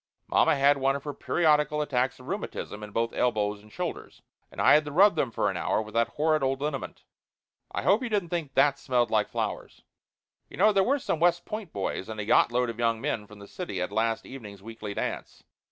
Mamma had one of her periodical attacks of rheumatism in both elbows and shoulders, and I had to rub them for an hour with that horrid old liniment. I hope you didn't think that smelled like flowers. You know, there were some West Point boys and a yacht load of young men from the city at last evening's weekly dance.